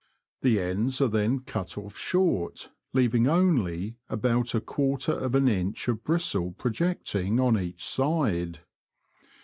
The ends are then cut off short, leaving only about a quarter of an inch of bristle projecting on each side.